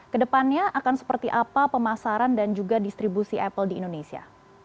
kedepannya akan seperti apa pemasaran dan juga distribusi apple di indonesia